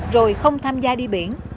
rồi không tham gia đi biển